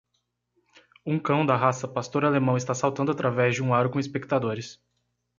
Um cão da raça pastor alemão está saltando através de um aro com espectadores.